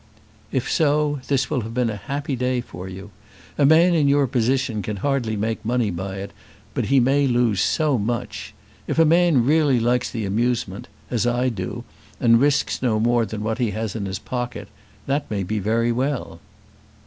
"If so, this will have been a happy day for you. A man in your position can hardly make money by it, but he may lose so much! If a man really likes the amusement, as I do, and risks no more than what he has in his pocket, that may be very well."